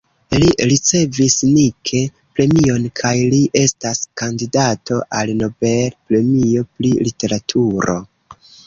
Li ricevis Nike-premion kaj li estas kandidato al Nobel-premio pri literaturo.